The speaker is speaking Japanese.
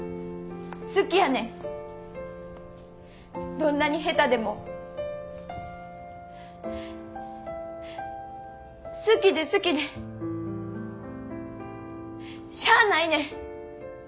どんなに下手でも好きで好きでしゃあないねん。